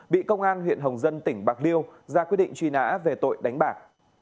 bị công an huyện hồng dân tỉnh bạc liêu ra quyết định truy nã về tội đánh bạc